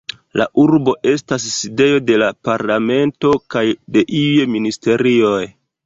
La urbo estas sidejo de la parlamento kaj de iuj ministerioj.